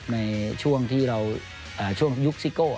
ในช่วงที่เราช่วงยุคซิโก้